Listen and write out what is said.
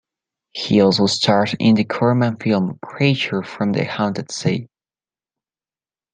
He also starred in the Corman film "Creature From the Haunted Sea".